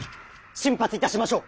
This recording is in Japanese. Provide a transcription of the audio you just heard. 進発いたしましょう。